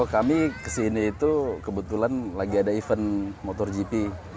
kami kesini itu kebetulan lagi ada event motogp